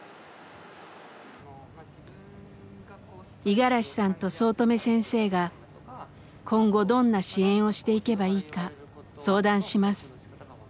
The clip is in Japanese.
五十嵐さんと早乙女先生が今後どんな支援をしていけばいいか相談します。